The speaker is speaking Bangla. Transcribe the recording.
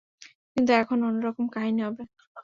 কিন্তু এখন অন্যরকম কাহিনী হবে।